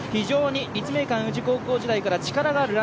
立命館宇治高校時代から力のある選手。